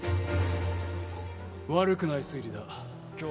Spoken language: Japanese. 悪くない推理だ。